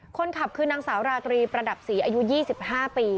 คนขับคือนางสาวราตรีประดับศรีอายุ๒๕ปี